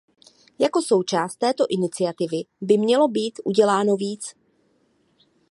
Jako součást této iniciativy by mělo být uděláno víc.